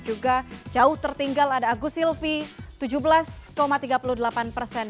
juga jauh tertinggal ada agus silvi tujuh belas tiga puluh delapan persen